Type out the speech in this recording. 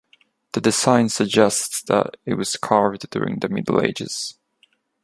The design suggests that it was carved during the Middle Ages.